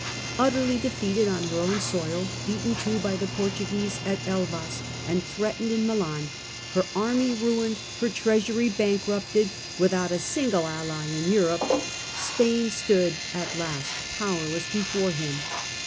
Utterly defeated on her own soil, beaten too by the Portuguese at Elvas, and threatened in Milan, her army ruined, her treasury bankrupt, without a single ally in Europe, Spain stood at last powerless before him.